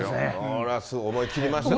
思い切りました。